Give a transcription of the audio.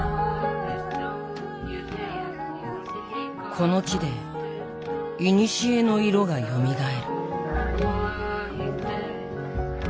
この地でいにしえの色がよみがえる。